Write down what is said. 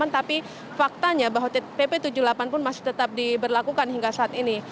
tapi faktanya bahwa pp tujuh puluh delapan pun masih tetap diberlakukan hingga saat ini